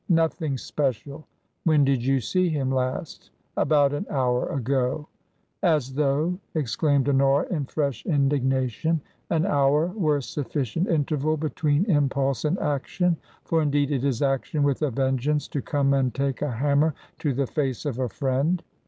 Nothing special." " When did you see him last ?" "About an hour ago." " As though," exclaimed Honora, in fresh indignation, " an hour were sufficient interval between impulse and action. For, indeed, it is action with a vengeance to come and take a hammer to the face of a friend.''